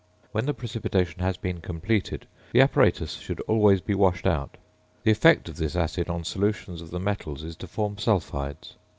When the precipitation has been completed, the apparatus should always be washed out. The effect of this acid on solutions of the metals is to form sulphides.